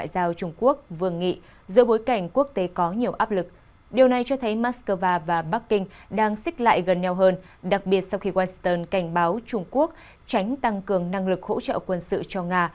đặc biệt sau khi washington cảnh báo trung quốc tránh tăng cường năng lực hỗ trợ quân sự cho nga